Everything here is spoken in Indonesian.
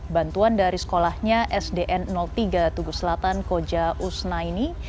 bantuan dari sekolahnya sdn tiga tugu selatan koja usnaini